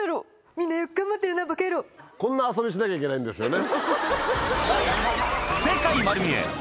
こんな遊びしなきゃいけないんですよね。